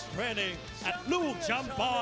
ตอนนี้มวยกู้ที่๓ของรายการ